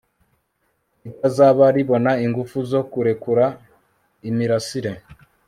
ritazaba ribona ingufu zo kurekura imirasire